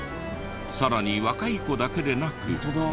さらに若い子だけでなく。ホントだ。